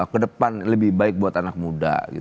ke depan lebih baik buat anak muda